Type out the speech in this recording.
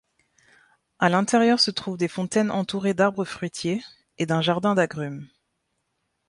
A l'intérieur se trouvent des fontaines entourées d'arbres fruitiers et d'un jardin d'agrumes.